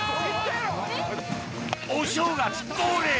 お正月恒例